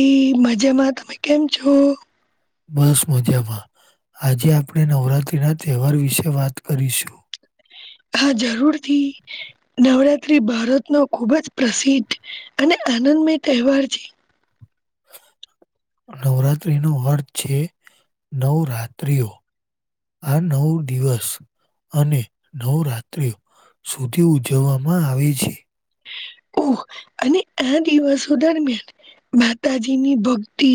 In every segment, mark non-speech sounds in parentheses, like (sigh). એ મજામાં તમે કેમ છો બસ મજામાં આજે આપણે નવરાત્રીના તહેવાર વિશે વાત કરીશું હ હા જરૂરથી નવરાત્રી ભારત નો ખુબ જ પ્રસિદ્ધ અને આનંદ મય તહેવાર છે નવરાત્ર્રીનો અર્થ છે નવ રાત્રિઓ આ નવ દિવસ અને નવ રાત્રિ સુધી ઉજવવામાં આવે છે ઓ અને આ દિવસો દરમિયાન માતાજી ની ભક્તિ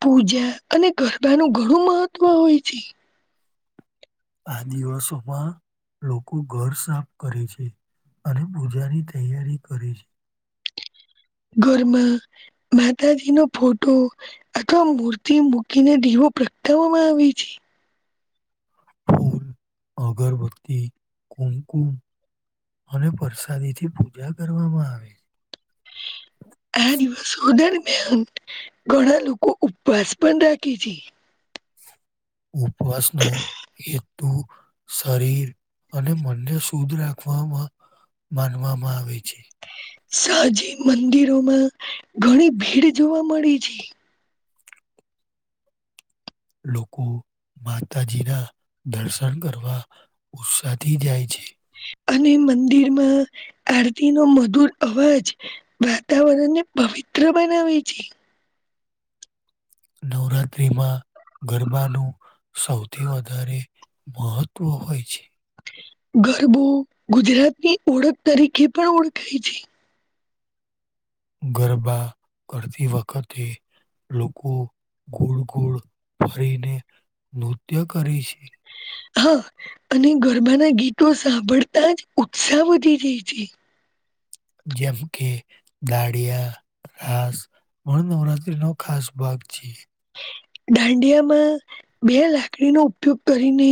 પૂજા અને ગરબાનુંું ઘણું મહત્વ હોય છે (inaudible) આ દિવસોમાં લોકો ઘર સાફ કરે છે અને પૂજાની તૈયારી કરી છે (inaudible) ઘરમાં માતાજી નો ફોટો અથવા મૂર્તિ મૂકીને દવો. પ્રગટાવવામાં આવી છે. ફૂલ, (inaudible) અગરબત્તી કુમકુમ. અને પ્રસાદી થી પૂજા કરવામાં આવે છે. એ દિવસધ. ઘણા લોકો ઉપવાસ પણ રાખે છે. ઉપવાસનો એક. તું શરીર અને મનને શુદ્ધ રાખવામાં. માનવામાં આવે છે. સાજી મંદિરોમાં ઘણી ભીડ જોવા મળી છે. લોકો. માતાજી ના દર્શન કરવા ઉત્સાહથી જાય છે. અને મંદિરમાં આરતી નો મધુર અવાજ વાતાવરણને. પવિત્ર બનાવી છે. નવરાત્રીમાં. ગરબાનું સૌથી વધારે મહત્ત્વ હોય છે. ગરબો ગુજરાતની ઓળખ તરીકે પણ ઓળખાય છે. ગરબા કરતી વખતે. લોકો ગુળ ગુળ ફરીને નૃત્ય કરે છે. હા અને ગરબાના ગીતો સાંભળતા જ ઉત્સાહ વધી જાય છે. જેમ કે દાળિયા રાાસ. પણ નવરાત્રીનો ખાસ ભાગ છ. દાંડિયામાં બે લાકડીનો ઉપયોગ કરીને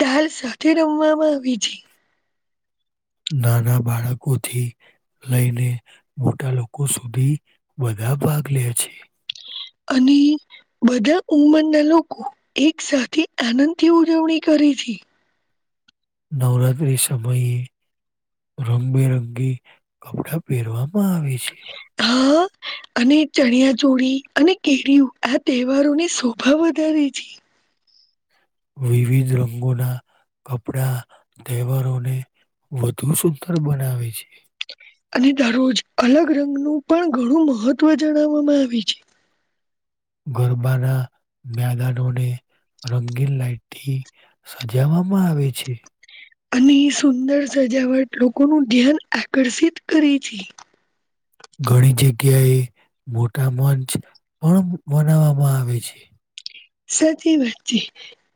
દાલ સાથે રમ. આવી છે. નાના બાળકોથી લઈને મોટા લોકો સુધી વગ. બ ભાગ લ છે. અને. બધા ઉંમરના લોકો એક સાથે આનંદથી ઉજવણી કરી છે. નવરાત્રિ સમયે. રંગબેરંગી કપડાં પહેરવામાં આવે છે. હા! અને ચણિયા ચોળી અને કેરીય આ તહેવારો ની શોભા વધારે છે. વિવિધ રંગોના. કપડા તહેવારોને વધુ સુંદર બનાવે છે. અને દરરોજ અલગ રંગનું પણ ઘણું મહત્વ જણાવવામાં આવે છે. ગરબાના મેદાનોને. રંગી લઇટી સજાવામાં આવે છે. અને સુંદર સજાવટ લોકોનું ધ્યાન આકર્ષિત કરે છે. (inaudible) ઘણી જગ્યાએ. મોટા મંચ પણ બનાવવામાં આવે છે. સાચી વાત છે.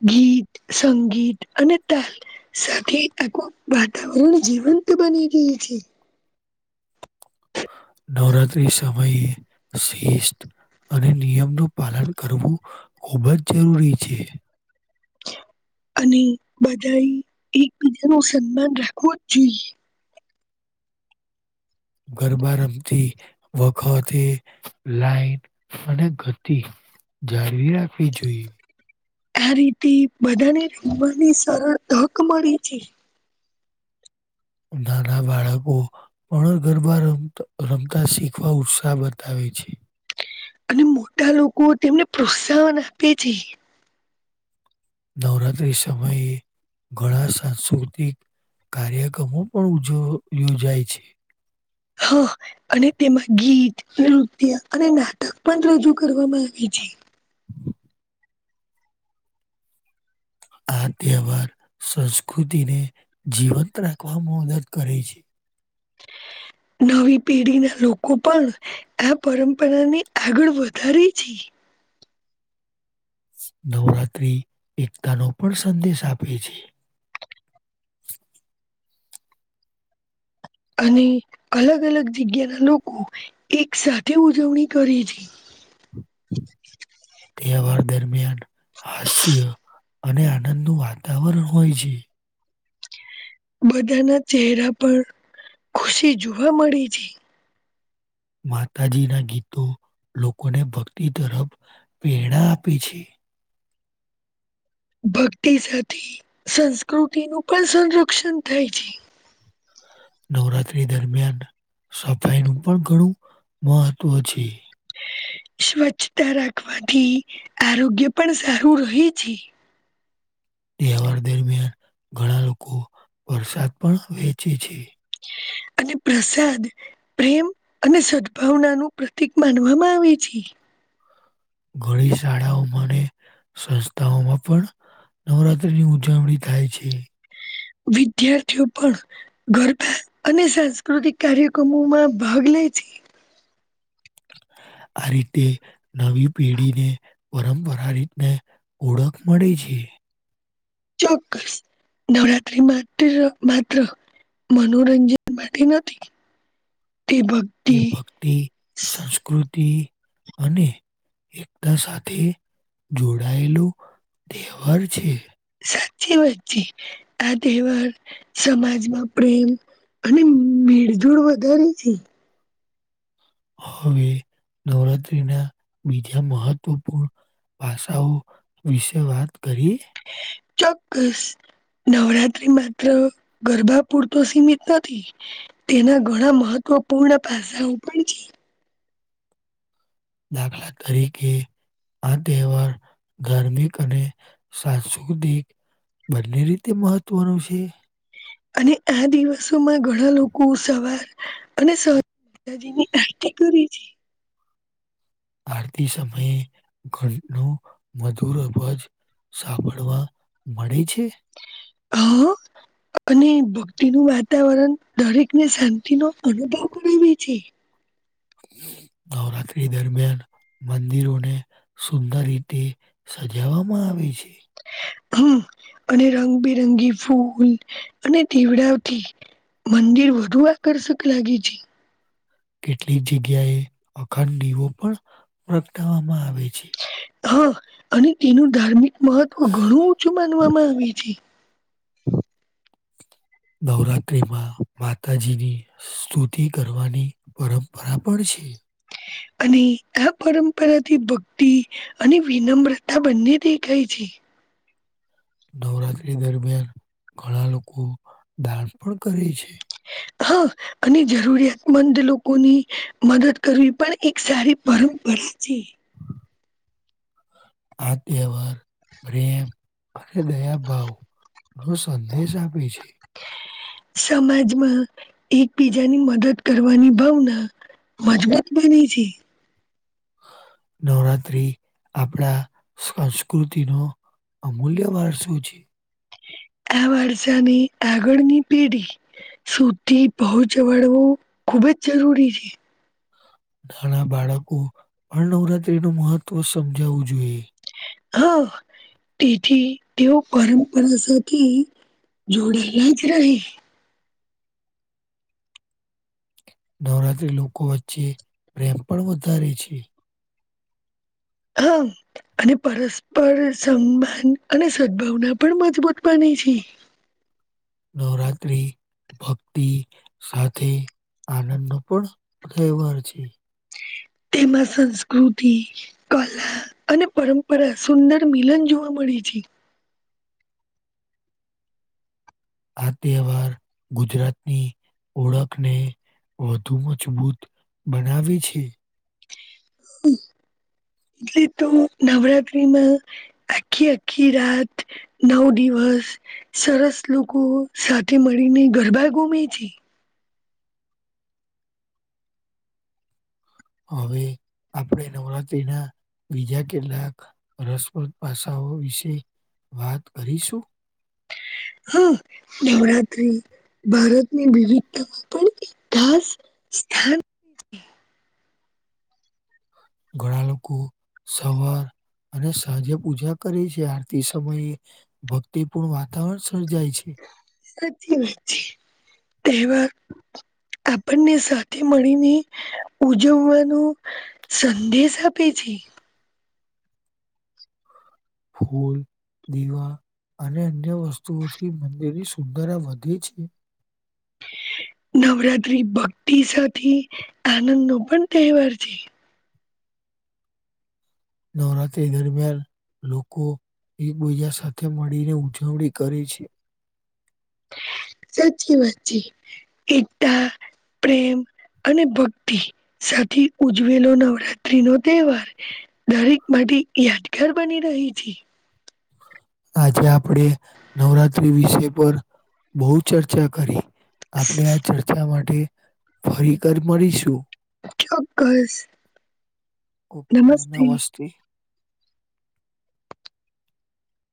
ગીત સંગીત અને તાલ સાથે. વાતાવરણ જીવંત બની રય છે. નવરાત્રી સમયે. શિસ્ત અને નિયમનું પાલન કરવું ખૂબ જ જરૂરી છે. (inaudible) અને બધાએ એકબીજા ન સન્માન રાખવું જ જોઈએ. ગરબા રમતી વખતે લાઈન અને ગતી. જાળવી રાખવી જોઈએ. આ રીતે બધાને રમવાની સરળ તક મળી છે. નાના બાળકો પણ ગરબા ર રમતા શીખવા ઉત્સાહ બતાવે. છે. અને મોટા લોકો તેમને પ્રોત્સાહન આપે છે. નવરાત્રી સમયે ઘણા સાંસ્કૃતિક. કાર્યક્રમો પણ ઉ યોજાય છે. હા અને તેમાં ગીત નૃત્ય અને નાટક પણ રજૂ કરવામાં આવી જાય (inaudible) આ તહેવાર સંસ્કૃતિને જીવંત રાખવામાં મદદ કરે છે નવી પેઢી ના લોકો પણ આ પરંપરાની આગળ વધારે છે (inaudible) નવરાત્રિ એકતાનો પણ સંદેશ આપે છે અને અલગ અલગ જગ્યાના લોકો એક સાથે ઉજવણી કરી છે તહેવાર દરમિયાન હાસ્ય. અને આનંદનું વાતાવરણ હોય છે. બધાના ચહેરા પણ ખુશી જોવા મળી છે. માતાજી ના ગીતો. લોકોને ભક્તિ તરફ પ્રેરણા આપે છે. ભક્તિ સાથે સંસ્કૃતિનું પણ સંરક્ષણ થાય છે. નવરાત્રી દરમિયાન સફાઈ નું પણ ઘણું મહત્વ છે. સ્વચ્છતા રાખવાથી આરોગ્ય પણ સારું રહે છે. (inaudible) તહેવાર દરમિયાન ઘણા લોકો વરસાદ પણ વહેચે છે. અને પ્રસાદ પ્રેમ અને સદભાવના નું પ્રતિક માનવામાં આવે છે. ઘણી શાળાઓમાં અને સંસ્થાઓમાં પણ. નવરાત્રીની ઉજવણી થાય છે. વિદ્યાર્થીઓ પણ ગરબા અને સાંસ્કૃતિક કાર્યક્રમોમાં ભાગ લે છે આ રીતે નવી પેઢીને પરંપરા રીતને ઓળખ મળે છે ચોક્કસ નવરાત્રી માત્ર માત્ર મનોરંજન માટે નથી તે તે ભક્તિ ભક્તિ, સંસ્કૃતિ અને એકતા સાથે જોડાયેલું તહેવાર છે સાચી વાત છે આ તહેવાર સમાજમાં પ્રેમ, અને મેળ જોડ વધારે છે હવે નવરાત્રી ના બીજા મહત્વપૂર્ણ ભાષાઓ વિશે વાત કરીએ ચોક્કસ નવરાત્રી માત્ર ગરબા પૂરતો સીમિત નથી તેના ઘણા મહ ત્વપૂર્ણ પાસાઓ પણ છે. દાખલા કરી કે આ તહેવાર ધાર્મિક અને સાંસ્કૃતિક બંને રીતે મહત્વનું છે અને આ દિવસોમાં ઘણા લોકો સવાર અને સા માતાજીની આરતિ કરે છે આરતી સમયે ઘટનું મધુર અબજ સાંભળવા મળે છે હમ અને ભક્તિનું વાતાવરણ દરેકને શાંતિ નો અનુભવ કરાવે છે (inaudible) નવરાત્રી દરમિયાન મંદિરોને સુંદર રીતે સજાવામાં આવે છે હમ અને રંગબિરંગી ફૂલ અને દીવડાથી મંદિર વધુ આકર્ષક લાગે છે કેટલીક જગ્યાએ અખાંડ દીવો પણ પ્રગટાવવામાં આવે છે હા! અને તેનું ધાર્મિક મહત્વ ઘણું ઉચું માનવામાં આવે છે. (inaudible) નવરાત્રિમાં, માતાજીની સ્તુતિ કરવાની પરંપરા પણ છે. અને આ પરંપરાથી ભક્તિ, અને વિનમ્રતા બંને દેખાય છે. (inaudible) નવરાત્રી દરમિયાન ઘણા લોકો દાન પણ કરે છે. હા! અને જરૂરિયાતમંદ લોકોની મદદ કરવી પણ એક સારી પર (unintelligible) આ તહેવાર પ્રેમ અને દયા ભાવ નો સંદેશ આપે છે સમાજમાં એકબીજાની મદદ કરવાની ભાવના મજબૂત બની છે નવરાત્ત્રી આપડા સંસ્કૃતિનો અમૂલ્ય વાર શું છે? આ વારસાની આગળની પેઢી સુધી પહોંચવાળું ખૂબ જ જરૂરી છે નાના બાળકો પણ નવરાત્રી નું મહત્વ સમજાવવું જોઈએ હા તેથી તેઓ પરંપરા સાથે જોડી હીજ રહે નવરાત્રી લોકો વચ્ચે પ્રેમ પણ વધારે છે હા અને પરસ્પર સન્માન અને સદભાવના પણ મજબૂત બની છે નવરાત્રી ભક્તિ સાથે આનંદ નો પણ તહેવાર છે. તેમાં સંસ્કૃતિ કલા અને પરંપરા સુંદર મિલન જોવા મળ્યું. (unintelligible) આ તહેવાર, ગુજરાતની ઓળખને વધુ મજબૂત બનાવી છે. એટલે તો નવરાત્રીમાં આખી આખી રાત નવ દિવસ. સરસ લોકો સાથે મળીને ગરબા ગુમે છે. હવે. આપણે નવરાત્રી ના બીજા કેટલાક રસપ્રદ પાસાઓ વિશે વાત કરીશું. હા! નવરાત્રી ભારતની વિવીઘતા માં પણ ખાસ સ્થાન. ઘણા લોકો સવાર અને સાજે પૂજા કરે છે. આરતી સમયે ભક્તિપૂર્ણ વાતાવરણ સ સાચી વાત છે. તહેવાર આપણને સાથે મળીને ઉજવવાનો સંદેશ આપે છે. (inaudible) ફૂલ, દીવા અને અન્ય વસ્તુઓથી મંદિરની સુંદર વધે છે. (inaudible) નવરાત્રી ભક્તિ સાથે આનંદ નો પણ તહેવાર છે. નવરાત્રી દરમિયાન લોકો એક બીજા સાથે મળીને ઉજવણી કરે છે. સાચી વાત છે એકતા, પ્રેમ અને ભક્તિ સાથે ઉજવેલો નવરાત્રી નો તહેવાર દરેક માટે તે યાદગાર બની રહે છે. આજે આપડે નવરાત્રી વિશે પર બહુ ચર્ચા કરી આપણે આ ચર્ચા મા તે ફરી કર મળીશું. ચોક્કસ નમસ્તે.